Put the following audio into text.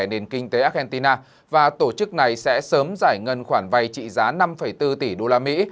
nền kinh tế argentina và tổ chức này sẽ sớm giải ngân khoản vay trị giá năm bốn tỷ usd